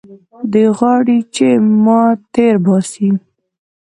دوى غواړي چې ما تېر باسي.